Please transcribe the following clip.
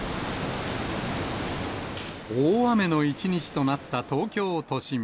大雨の一日となった東京都心。